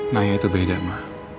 naya itu beda ma